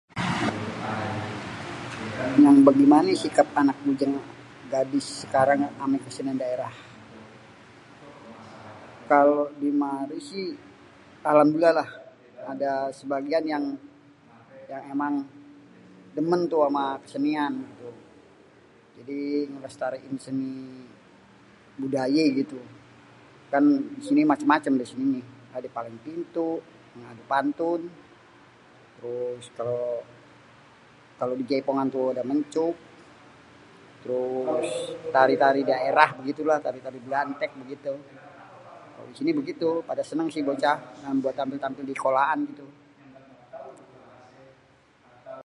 Yang begimané sikap anak bujang, gadis sekarang sama kesenian daerah? kalau dimari si alhamdulillah lah ada sebagian yang emang dêmên tuh amé kesenian tuh, jadi.. ngelestariin seni budayé gitu, kan seni macem-macem tuh ada palang pintu, ada pantun, terus kalau dijaipongan tuh ada mencup, terus tari-tarian daerah begitu déh tari-tari bêlanték... kalau disini begitu pada sénéng sih bocah buat tampil-tampil dikolaan gitu.